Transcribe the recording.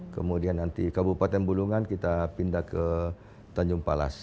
kemudian nanti kabupaten bulungan kita pindah ke tanjung palas